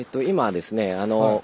今ですね